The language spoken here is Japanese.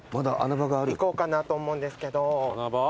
行こうかなと思うんですけど。